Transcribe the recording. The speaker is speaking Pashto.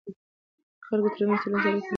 د خلکو ترمنځ ټولنیزې اړیکې مهمې دي.